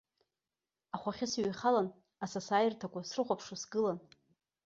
Ахәахьы сыҩхалан, асасааирҭақәа срыхәаԥшуа сгылан.